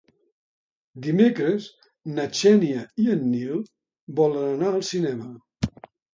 Dimecres na Xènia i en Nil volen anar al cinema.